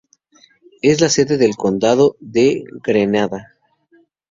Es sede del condado de Grenada.